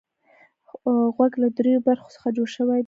غوږ له دریو برخو څخه جوړ شوی دی.